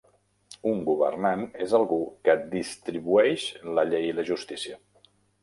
Un governant és algú que "distribueix" la llei i la justícia.